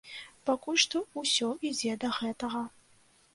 Пакуль што ўсё ідзе да гэтага.